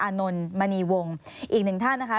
นนท์มณีวงอีกหนึ่งท่านนะคะ